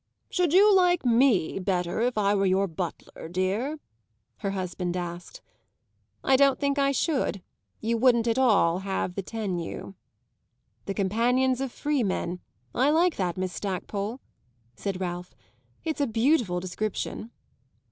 "Should you like me better if I were your butler, dear?" her husband asked. "I don't think I should: you wouldn't at all have the tenue." "The companions of freemen I like that, Miss Stackpole," said Ralph. "It's a beautiful description."